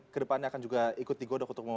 ke depannya akan juga ikut digoda untuk